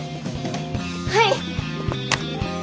はい！